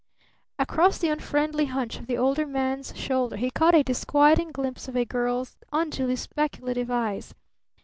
Across the unfriendly hunch of the older man's shoulder he caught a disquieting glimpse of a girl's unduly speculative eyes.